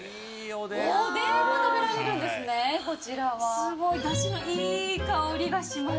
すごいだしのいい香りがします。